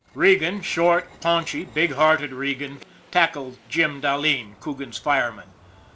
Regan, short, paunchy, big hearted Regan, tackled Jim Dahleen, Coogan's fireman.